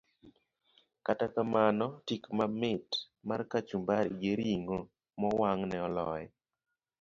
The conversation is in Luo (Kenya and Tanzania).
Kata kamano, tik mamit mar kachumbari gi ring'o mowang' ne oloye.